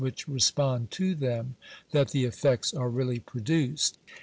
which respond to them, that the effects are really produced.